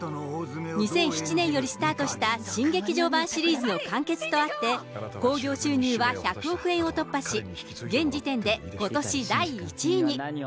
２００７年よりスタートした新劇場版シリーズの完結とあって、興行収入は１００億円を突破し、現時点でことし第１位に。